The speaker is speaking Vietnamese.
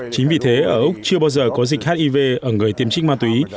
chính vì thế ở úc chưa bao giờ có dịch hiv ở người tiêm trích ma túy